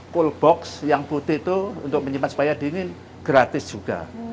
full box yang putih itu untuk menyimpan supaya dingin gratis juga